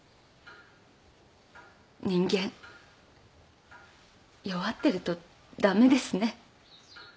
人間弱ってると駄目ですね。